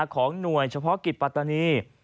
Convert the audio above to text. ของหน่วยเฉพาะกิจปัตตานี